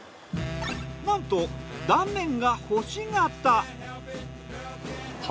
なんと断面が星形。